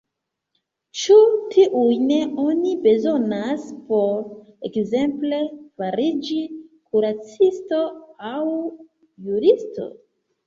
Ĉu tiujn oni bezonas por, ekzemple, fariĝi kuracisto aŭ juristo?